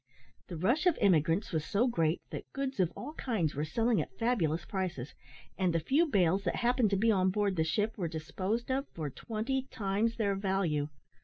The rush of immigrants was so great, that goods of all kinds were selling at fabulous prices, and the few bales that happened to be on board the ship were disposed off for twenty times their value.